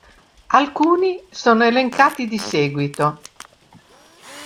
Alcuni sono elencati di seguito.